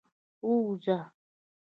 ووځه.